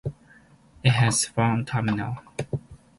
It has one terminal.